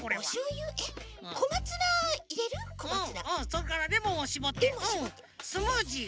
うんうんそれからレモンをしぼってスムージー！